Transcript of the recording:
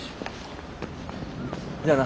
じゃあな。